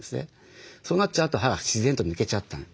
そうなっちゃうと歯が自然と抜けちゃった。